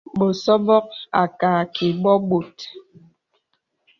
Bəsɔbɔ̄ à kààkì bɔ̄ bòt.